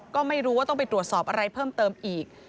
ก็ไม่รู้ว่าต้องไปตรวจสอบอะไรเพิ่มเติมอีก